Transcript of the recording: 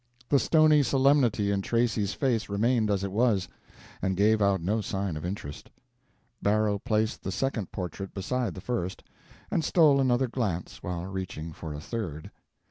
The stony solemnity in Tracy's face remained as it was, and gave out no sign of interest. Barrow placed the second portrait beside the first, and stole another glance while reaching for a third.